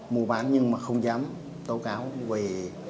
mua bán như vậy